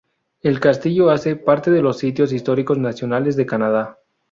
El castillo hace parte de los sitios históricos nacionales de Canadá.